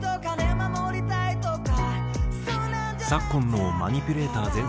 「守りたいとか」